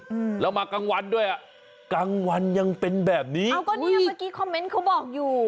อืมแล้วมากลางวันด้วยอ่ะกลางวันยังเป็นแบบนี้อ้าวก็เนี้ยเมื่อกี้คอมเมนต์เขาบอกอยู่